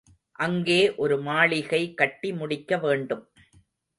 அங்கே ஒரு மாளிகை கட்டி முடிக்க வேண்டும்.